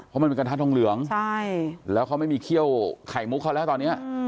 เพราะมันเป็นกระทะทองเหลืองแล้วเขาไม่มีเขี้ยวไข่มุกเขาแล้วตอนนี้